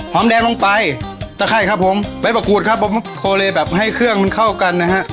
แดงลงไปตะไข้ครับผมใบมะกรูดครับผมโคเลแบบให้เครื่องมันเข้ากันนะฮะ